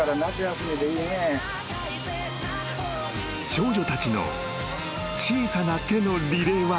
［少女たちの小さな手のリレーは］